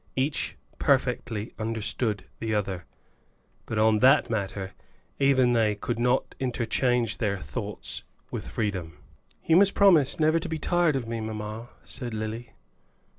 Each perfectly understood the other, but on that matter even they could not interchange their thoughts with freedom. "You must promise never to be tired of me, mamma," said Lily.